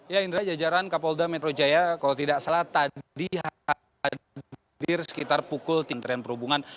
ya indra jajaran kapolda metro jaya kalau tidak salah tadi hadir sekitar pukul tigaan perhubungan